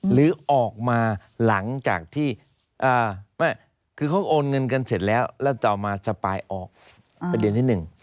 หรือออกมาหลังจากที่คือเขาโอนเงินกันเสร็จแล้วแล้วต่อมาสปายออกประเด็นที่หนึ่ง